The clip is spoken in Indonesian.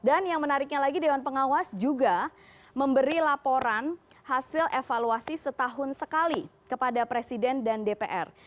dan yang menariknya lagi dewan pengawas juga memberi laporan hasil evaluasi setahun sekali kepada presiden dan dpr